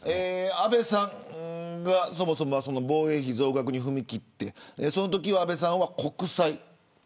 安倍さんがそもそも防衛費増額に踏み切ってそのときは安倍さんは国債。